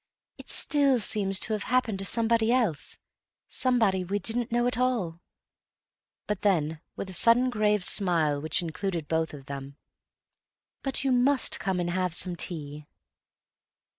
"It still seems to have happened to somebody else; somebody we didn't know at all." Then, with a sudden grave smile which included both of them, "But you must come and have some tea."